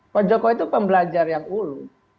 pak jokowi itu pembelajar yang ulu